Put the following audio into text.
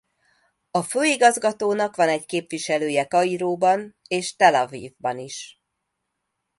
A Főigazgatónak van egy képviselője Kairóban és Tel-Avivban is.